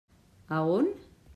A on?